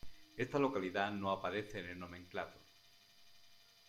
Esta localidad no aparece en el nomenclátor.